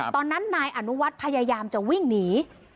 ตอนนั้นนายอนุวัฒน์พยายามจะวิ่งหนี